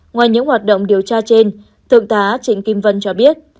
ngoài những hoạt động điều tra trên thượng tá trịnh kim vân cho biết